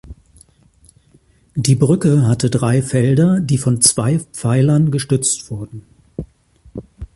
Die Brücke hatte drei Felder, die von zwei Pfeilern gestützt wurden.